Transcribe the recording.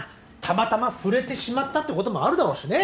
たまたま触れてしまったってこともあるだろうしね。